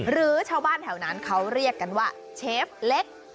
หรือชาวบ้านแถวนั้นเขาเรียกกันว่าเชฟเล็ก